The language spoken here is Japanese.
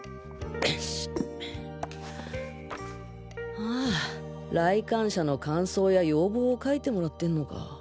ああ来館者の感想や要望を書いてもらってんのか。